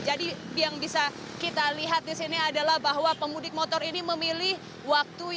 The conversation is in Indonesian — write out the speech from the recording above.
jadi yang bisa kita lihat di sini adalah bahwa pemudik motor ini memilih waktu